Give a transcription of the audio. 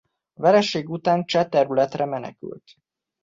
A vereség után cseh területre menekült.